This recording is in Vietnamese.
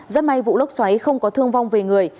rất may vụ lốc xoáy không có thương vong về người